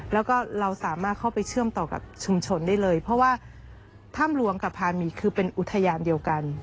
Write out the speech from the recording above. แล้วก็เราสามารถเข้าไปเชื่อมต่อกับชุมชนได้เลยเพราะว่าถ้ำหลวงกับพามีคือเป็นอุทยานเดียวกัน